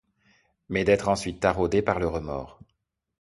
Mais d'être ensuite taraudés par le remords.